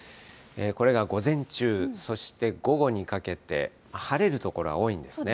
これが午前中、そして午後にかけて、晴れる所は多いんですね。